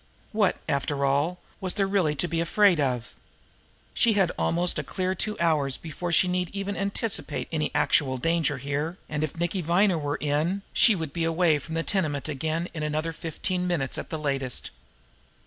What, after all, was there really to be afraid of? She had almost a clear two hours before she need even anticipate any actual danger here, and, if Nicky Viner were in, she would be away from the tenement again in another fifteen minutes at the latest.